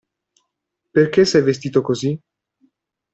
Perché sei vestito così?